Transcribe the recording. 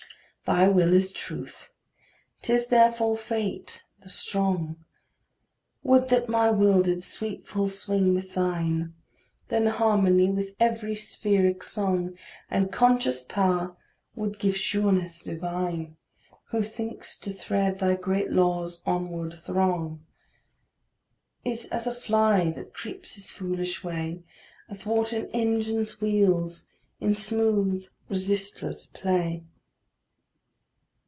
Thy will is truth 'tis therefore fate, the strong. Would that my will did sweep full swing with thine! Then harmony with every spheric song, And conscious power, would give sureness divine. Who thinks to thread thy great laws' onward throng, Is as a fly that creeps his foolish way Athwart an engine's wheels in smooth resistless play.